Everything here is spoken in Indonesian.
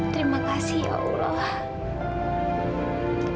terima kasih ya allah